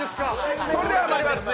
それではまいります。